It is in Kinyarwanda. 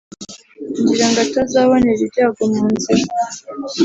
ngira ngo atazabonera ibyago mu nzira